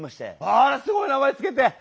あらすごい名前付けて！